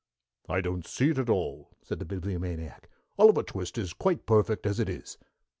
"I don't see it at all," said the Bibliomaniac. "'Oliver Twist' is quite perfect as it is."